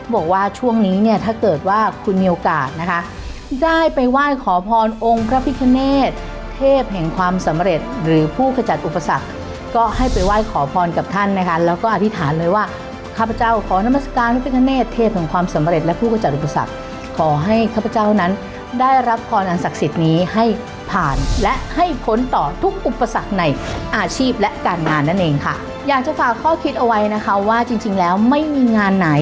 บอกว่าช่วงนี้เนี่ยถ้าเกิดว่าคุณมีโอกาสนะคะได้ไปไหว้ขอพรองพระพิคเนตเทพแห่งความสำเร็จหรือผู้ขจัดอุปสรรคก็ให้ไปไหว้ขอพรกับท่านนะคะแล้วก็อธิษฐานเลยว่าข้าพเจ้าขอนมสการพระพิคเนตเทพแห่งความสำเร็จและผู้ขจัดอุปสรรคขอให้ข้าพเจ้านั้นได้รับพรอันศักดิ์สิทธิ์นี้ให้ผ่าน